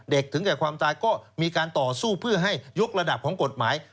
ถึงแก่ความตายก็มีการต่อสู้เพื่อให้ยกระดับของกฎหมาย